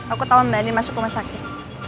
aku tahu mbak ani masuk rumah sakit